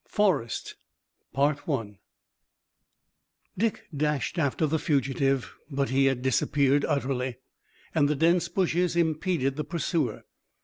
FORREST Dick dashed after the fugitive, but he had disappeared utterly, and the dense bushes impeded the pursuer.